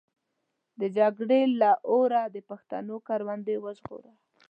د جګړې له اوره د پښتنو کروندې وژغوره.